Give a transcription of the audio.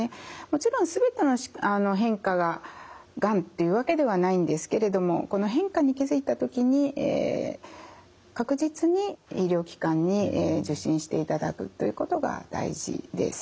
もちろん全ての変化ががんというわけではないんですけれどもこの変化に気づいた時に確実に医療機関に受診していただくということが大事です。